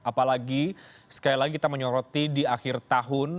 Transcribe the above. apalagi sekali lagi kita menyoroti di akhir tahun